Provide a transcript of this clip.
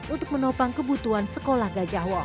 untuk menopang kebutuhan sekolah gajah wong